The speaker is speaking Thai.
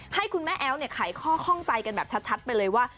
ให้คุณแม่แอ๊วไขข้อข้องใจกันแบบชัดไปเลยว่า